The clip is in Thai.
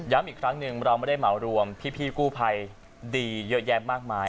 อีกครั้งหนึ่งเราไม่ได้เหมารวมพี่กู้ภัยดีเยอะแยะมากมาย